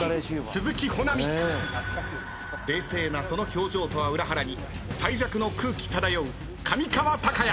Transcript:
冷静なその表情とは裏腹に最弱の空気漂う上川隆也。